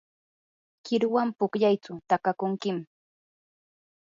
qiruwan pukllaychu takakunkim.